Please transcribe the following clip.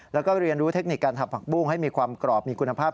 แล้วก็เรียนรู้เทคนิคการทำผักบุ้งให้มีความกรอบมีคุณภาพ